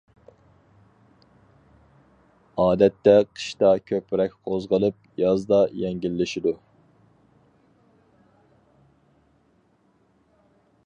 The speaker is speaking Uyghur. ئادەتتە قىشتا كۆپرەك قوزغىلىپ، يازدا يەڭگىللىشىدۇ.